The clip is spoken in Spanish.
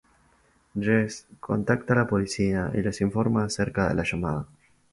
Jess contacta a la policía y les informa acerca de la llamada.